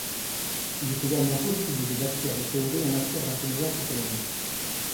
Il est également possible de bâtir des théories en matière d'intelligence économique.